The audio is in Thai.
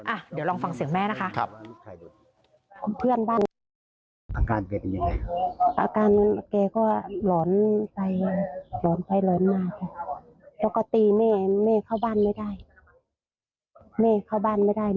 อ่ะเดี๋ยวลองฟังเสียงแม่นะคะ